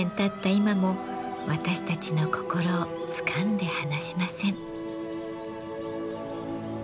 今も私たちの心をつかんで離しません。